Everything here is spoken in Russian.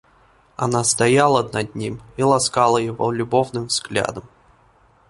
Она стояла над ним и ласкала его любовным взглядом.